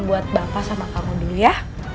buat bapak sama kamu dulu ya